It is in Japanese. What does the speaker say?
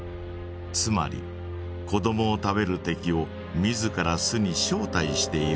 つまり子どもを食べる敵を自ら巣に招待しているのです。